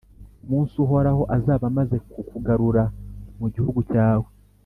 Umunsi Uhoraho azaba amaze kukugarura mu gihugu cyawe,